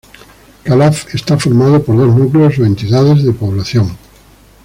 Calaf está formado por dos núcleos o entidades de población.